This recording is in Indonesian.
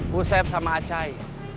bu sep sama acai